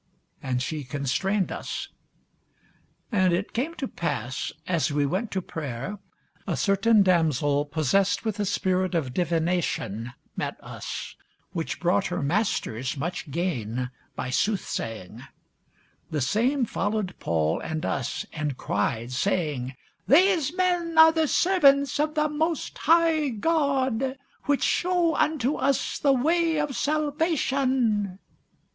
And she constrained us. And it came to pass, as we went to prayer, a certain damsel possessed with a spirit of divination met us, which brought her masters much gain by soothsaying: the same followed Paul and us, and cried, saying, These men are the servants of the most high God, which shew unto us the way of salvation.